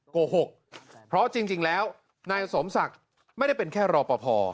โกหกเพราะจริงแล้วนายสมศักดิ์ไม่ได้เป็นแค่รอปภ